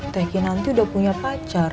teki nanti udah punya pacar